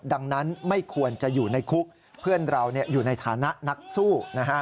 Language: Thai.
ดังนั้นไม่ควรจะอยู่ในคุกเพื่อนเราอยู่ในฐานะนักสู้นะฮะ